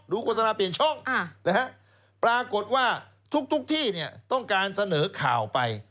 โฆษณาเปลี่ยนช่องปรากฏว่าทุกที่ต้องการเสนอข่าวไป